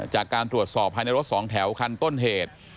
จากการตรวจสอบภายในรถสองแถวคันต้นเหตุ